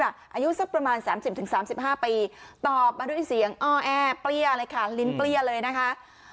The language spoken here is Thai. อายุสักประมาณ๓๐๓๕ปีตอบมาด้วยเสียงปลี้ยค่ะลิ้นปลี้ยเลยนะคะ